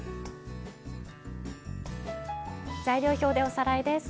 材料表でおさらいです。